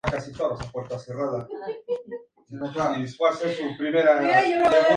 Greenberg se graduó en la Universidad de Syracuse de Nueva York.